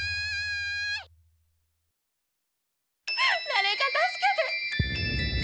誰か助けて！